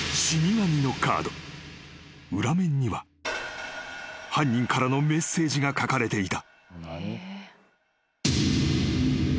［裏面には犯人からのメッセージが書かれていた］